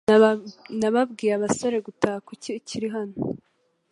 Nababwiye abasore gutaha . Kuki ukiri hano?